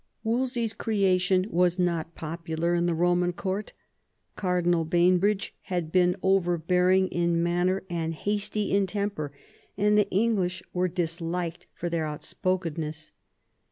Wolsey's creation was not popular in the Eoman Court Cardinal Bainbridge had been overbearing in manner and hasty in temper, and the English were dis liked for their outspokenness.